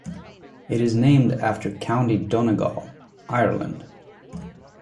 It is named after County Donegal, Ireland.